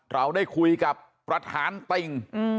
เราได้คุยกับประธานติ่ง